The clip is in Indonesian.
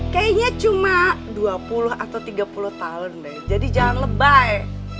kayaknya cuma dua puluh atau tiga puluh tahun deh jadi jangan lebay